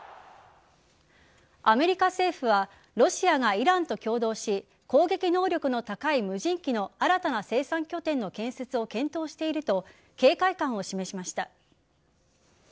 アメリカ政府はロシアがイランと共同し攻撃能力の高い無人機の新たな生産拠点の建設を検討していると警戒感を示しました。